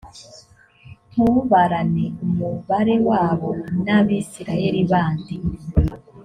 ntubarane umubare wabo n abisirayeli bandi